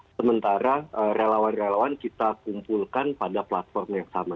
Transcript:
sementara relawan relawan kita kumpulkan pada platform yang sama